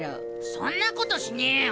そんなことしねえよ！